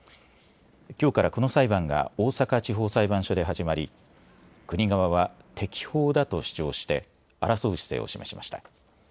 きょうからこの裁判が、大阪地方裁判所で始まり、国側は、適法だと主張して、争う姿勢を示しました。